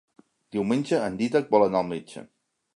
Diumenge en Dídac vol anar al metge.